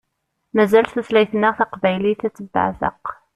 Mazal tutlayt-nneɣ taqbaylit ad tebbeɛzeq.